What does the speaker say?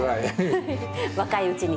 若いうちに。